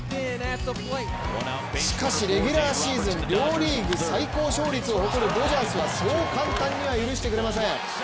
しかしレギュラーシーズン両リーグ最高勝率を誇るドジャースはそう簡単には許してくれません。